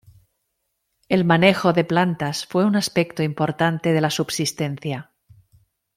El manejo de plantas fue un aspecto importante de la subsistencia.